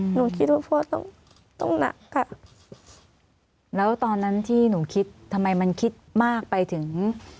หนูคิดว่าพ่อต้องต้องหนักค่ะแล้วตอนนั้นที่หนูคิดทำไมมันคิดมากไปถึง